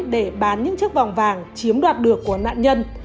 để bán những chiếc vòng vàng chiếm đoạt được của nạn nhân